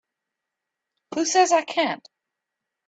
Who says I can't?